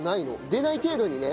出ない程度にね。